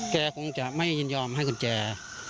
แกคงจะไม่ยินยอมให้กุญแจ